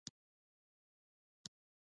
د جګړې زړي یې وکرل